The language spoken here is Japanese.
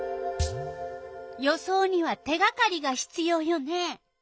予想には手がかりがひつようよね。